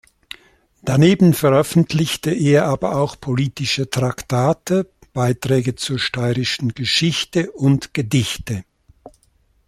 Daneben veröffentlichte er aber auch politische Traktate, Beiträge zur steirischen Geschichte und Gedichte.